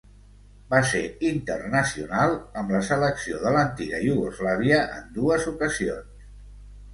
Va ser internacional amb la selecció de l'antiga Iugoslàvia en dues ocasions.